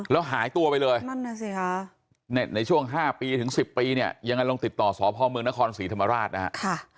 แล้วหายตัวไปเลยในช่วง๕๑๐ปียังงั้นติดต่อสภพเมืองนครศรีธรรมราชนะครับ